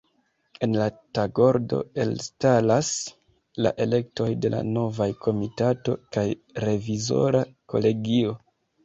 En la tagordo elstaras la elektoj de la novaj Komitato kaj revizora kolegio.